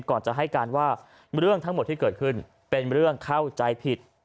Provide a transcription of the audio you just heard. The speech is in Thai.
ก่อนจะให้การว่าเรื่องทั้งหมดที่เกิดขึ้นเป็นเรื่องเข้าใจผิด